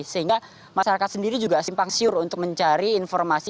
sehingga masyarakat sendiri juga simpang siur untuk mencari informasi